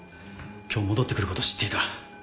今日戻って来ることを知っていた。